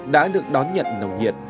đã được đón nhận nồng nhiệt